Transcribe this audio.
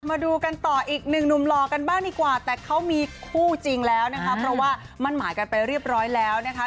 มาดูกันต่ออีกหนึ่งหนุ่มหล่อกันบ้างดีกว่าแต่เขามีคู่จริงแล้วนะคะเพราะว่ามั่นหมายกันไปเรียบร้อยแล้วนะคะ